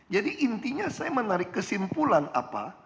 jadi intinya saya menarik kesimpulan apa